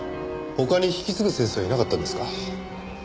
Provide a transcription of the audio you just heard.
他に引き継ぐ先生はいなかったんですか？